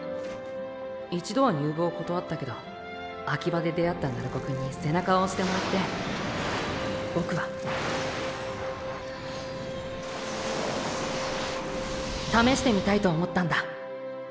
一度は入部を断ったけどアキバで出会った鳴子くんに背中を押してもらってボクは試してみたいと思ったんだ。